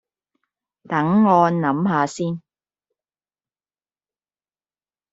等我諗吓先